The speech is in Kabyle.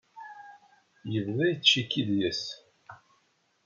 Yebda yettcikki deg-s.